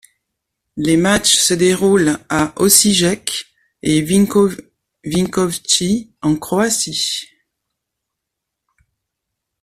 Les matchs se déroulent à Osijek et Vinkovci en Croatie.